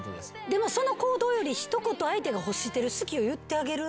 でもその行動より一言相手が欲してる「好き」を言ってあげる。